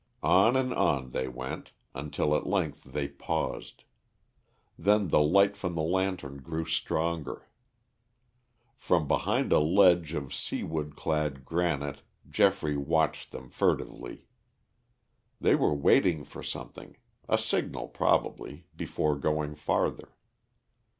On and on they went, until at length they paused. Then the light from the lantern grew stronger. From behind a ledge of seaweed clad granite Geoffrey watched them furtively. They were waiting for something a signal, probably before going farther.